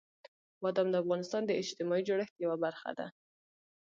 بادام د افغانستان د اجتماعي جوړښت یوه برخه ده.